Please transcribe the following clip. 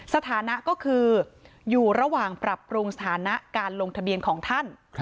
สถานะก็คืออยู่ระหว่างปรับปรุงสถานะการลงทะเบียนของท่าน